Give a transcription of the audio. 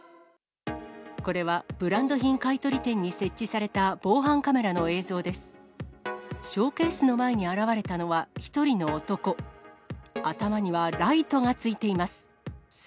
これは、ブランド品買い取り店に設置された防犯カメラの映像です。